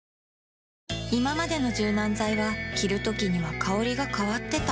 いままでの柔軟剤は着るときには香りが変わってた